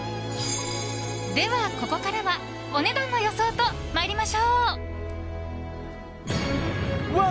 ではここからはお値段の予想と参りましょう。